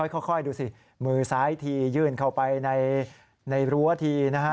ค่อยดูสิมือซ้ายทียื่นเข้าไปในรั้วทีนะฮะ